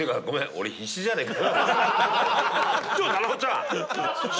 俺必死じゃねえか。